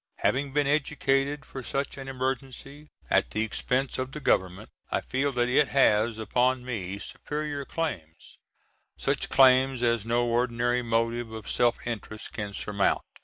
Having been educated for such an emergency, at the expense of the Government, I feel that it has upon me superior claims, such claims as no ordinary motives of self interest can surmount.